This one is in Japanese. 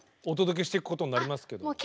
お届けしていくことになりますけど。